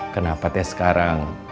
kenapa teh sekarang